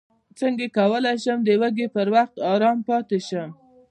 څنګه کولی شم د وږي پر وخت ارام پاتې شم